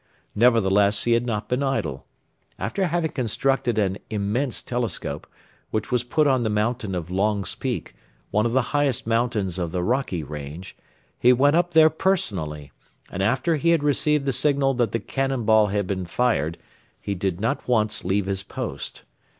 Nevertheless he had not been idle. After having constructed an immense telescope, which was put on the mountain of Long's Peak, one of the highest mountains of the Rocky range, he went up there personally, and after he had received the signal that the cannon ball had been fired he did not once leave his post.